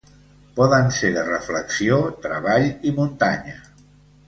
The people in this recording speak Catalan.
Poden ser de reflexió, treball i muntanya.